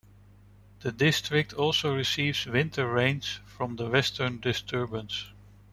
The district also receives winter rains from the western disturbance.